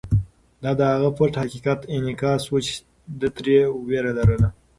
دا د هغه پټ حقیقت انعکاس و چې ده ترې وېره لرله.